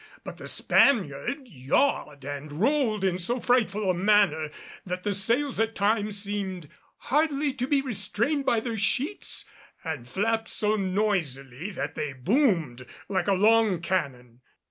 But the Spaniard yawed and rolled in so frightful a manner that the sails at times seemed hardly to be restrained by their sheets, and flapped so noisily that they boomed like long cannon.